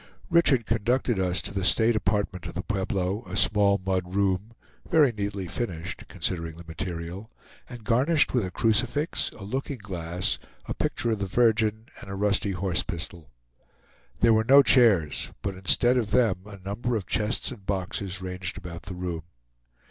Richard conducted us to the state apartment of the Pueblo, a small mud room, very neatly finished, considering the material, and garnished with a crucifix, a looking glass, a picture of the Virgin, and a rusty horse pistol. There were no chairs, but instead of them a number of chests and boxes ranged about the room.